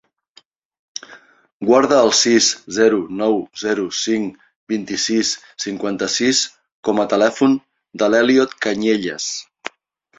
Guarda el sis, zero, nou, zero, cinc, vint-i-sis, cinquanta-sis com a telèfon de l'Elliot Cañellas.